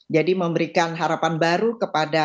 jadi memberikan harapan baru kepada